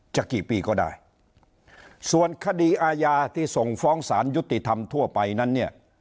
จะกี่ปีก็ได้ส่วนคดีอาญาที่ส่งฟ้องสารยุติธรรมทั่วไปนั้นเนี่ย